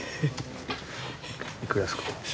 いくらですか？